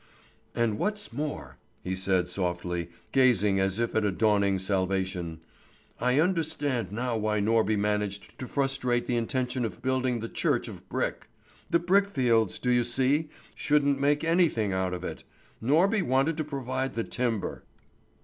"And what's more," he said softly, gazing as if at a dawning salvation, "I understand now why Norby managed to frustrate the intention of building the church of brick. The brickfields, do you see, shouldn't make anything out of it. Norby wanted to provide the timber."